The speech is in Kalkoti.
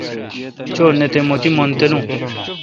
چو نہ تے مہ تی مون تالو۔